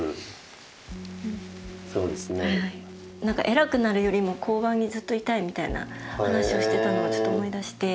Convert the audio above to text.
偉くなるよりも交番にずっといたいみたいな話をしてたのを思い出して。